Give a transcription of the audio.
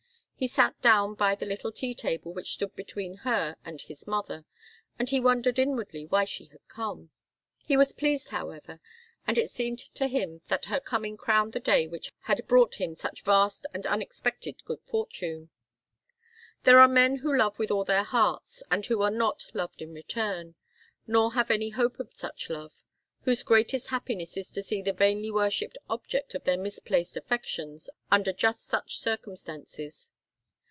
He sat down by the little tea table which stood between her and his mother, and he wondered inwardly why she had come. He was pleased, however, and it seemed to him that her coming crowned the day which had brought him such vast and unexpected good fortune. There are men who love with all their hearts and who are not loved in return, nor have any hope of such love, whose greatest happiness is to see the vainly worshipped object of their misplaced affections under just such circumstances.